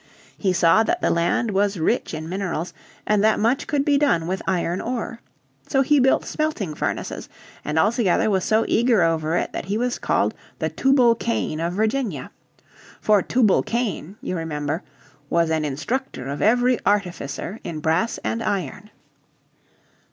He saw that the land was rich in minerals, and that much could be done with iron ore. So he built smelting furnaces, and altogether was so eager over it that he was called the Tubal Cain of Virginia. For Tubal Cain, you remember, "was an instructor of every artificer in brass and iron."